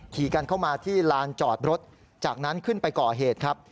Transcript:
ขี่กันเข้ามาที่ลานจอดรถจากนั้นขึ้นไปก่อเหตุครับ